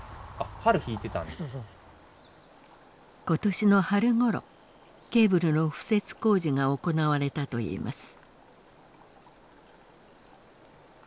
今年の春ごろケーブルの敷設工事が行われたといいます。